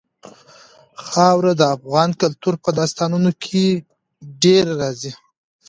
خاوره د افغان کلتور په داستانونو کې ډېره راځي.